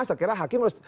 sekiranya hakim harus